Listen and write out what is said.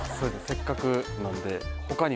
せっかくなんで俺の？